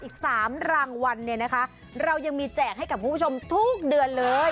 อีก๓รางวัลเนี่ยนะคะเรายังมีแจกให้กับคุณผู้ชมทุกเดือนเลย